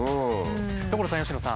所さん佳乃さん。